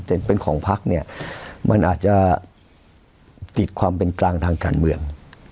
แต่เป็นของพักเนี่ยมันอาจจะติดความเป็นกลางทางการเมือง